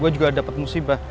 gua juga dapet musibah